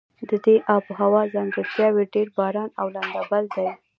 د دې آب هوا ځانګړتیاوې ډېر باران او لنده بل دي.